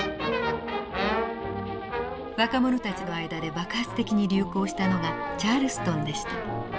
若者たちの間で爆発的に流行したのがチャールストンでした。